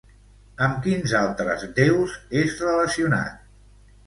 Amb quins altres déus és relacionat?